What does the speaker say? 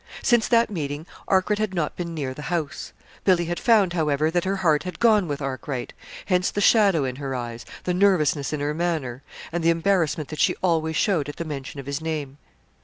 Since that meeting Arkwright had not been near the house. Billy had found, however, that her heart had gone with Arkwright; hence the shadow in her eyes, the nervousness in her manner, and the embarrassment that she always showed at the mention of his name.